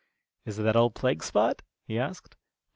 "Is it that old plague spot?" he asked.